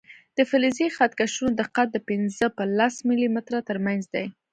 د فلزي خط کشونو دقت د پنځه په لس ملي متره تر منځ دی.